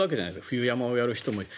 冬山をやる人もいる。